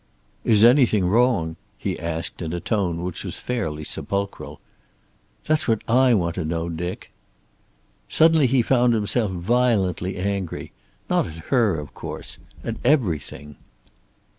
"Is anything wrong?" he asked, in a tone which was fairly sepulchral. "That's what I want to know, Dick." Suddenly he found himself violently angry. Not at her, of course. At everything.